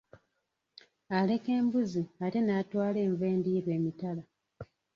Aleka embuzi ate n'atwala enva endiirwa emitala.